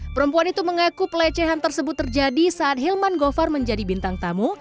perempuan itu mengaku pelecehan tersebut terjadi saat hilman govar menjadi bintang tamu